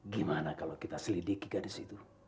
gimana kalau kita selidiki gadis itu